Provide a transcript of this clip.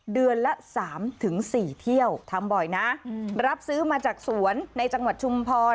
เดือนละ๓๔เที่ยวทำบ่อยนะรับซื้อมาจากสวนในจังหวัดชุมพร